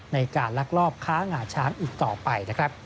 ในการลากรอบค้างาช้างอีกต่อไป